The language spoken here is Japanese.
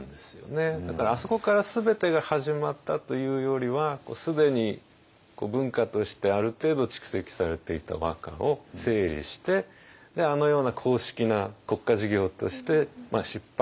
だからあそこから全てが始まったというよりは既に文化としてある程度蓄積されていた和歌を整理してあのような公式な国家事業として出版